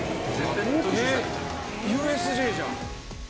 ＵＳＪじゃん。